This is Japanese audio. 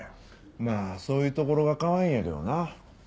まあそういうところがかわいいんやけどな。